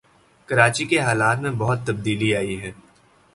کراچی کے حالات میں بہت تبدیلی آئی ہے